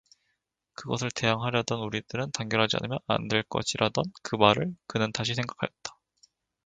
그것을 대항하려면 우리들은 단결하지 않으면 안 될 것이라던 그 말을 그는 다시 생각하였다.